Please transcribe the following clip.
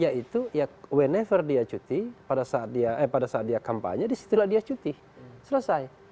yaitu ya wannever dia cuti pada saat dia kampanye disitulah dia cuti selesai